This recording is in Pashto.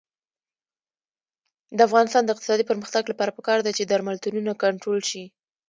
د افغانستان د اقتصادي پرمختګ لپاره پکار ده چې درملتونونه کنټرول شي.